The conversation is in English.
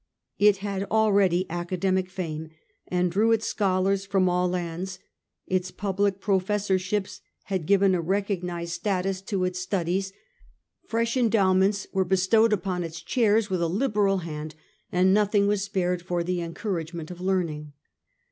It had already academic fame, and drew its scholars from all lands ; its public professorships had given a recognised status to 56 The Age of the A ntoiiines. a. d. its studies ; fresh endowments were bestowed upon its chairs with a liberal hand, and nothing was spared for the encouragement of learning.